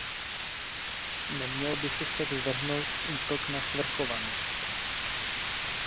Neměl by se však zvrhnout v útok na svrchovanost.